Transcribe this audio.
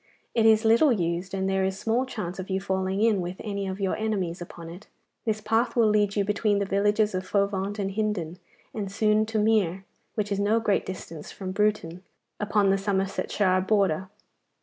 'It is little used, and there is small chance of your falling in with any of your enemies upon it. This path will lead you between the villages of Fovant and Hindon, and soon to Mere, which is no great distance from Bruton, upon the Somersetshire border.